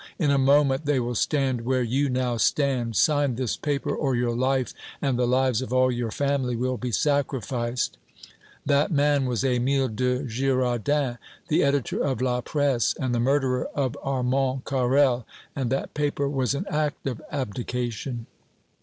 In a moment they will stand where you now stand! Sign this paper, or your life and the lives of all your family will be sacrificed!" That man was Émile de Girardin, the editor of "La Presse," and the murderer of Armand Carrel, and that paper was an act of abdication.